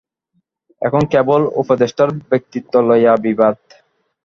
এখন কেবল উপদেষ্টার ব্যক্তিত্ব লইয়া বিবাদ।